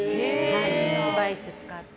スパイス使って。